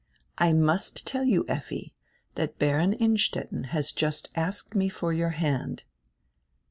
"I must tell you, Effi, that Baron Innstetten has just asked me for your hand."